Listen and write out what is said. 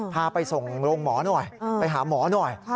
พาไปส่งโรงหมอหน่อยไปหาหมอหน่อย